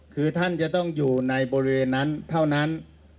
คือท่านจะต้องอยู่ในบริเวณนั้นเท่านั้น